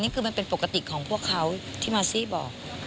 มันเป็นปกติของพวกเขาที่มาซี่บอก